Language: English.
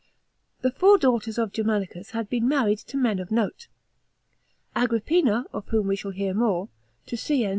The four daughters of Germanicus had been married to men of note; Agrippina, of whom we shall hear more, to Cn.